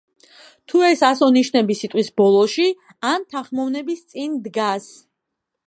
თუ ეს ასო-ნიშნები სიტყვის ბოლოში, ან თანხმოვნების წინ დგას.